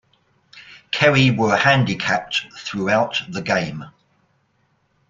Kerry were handicapped throughout the game.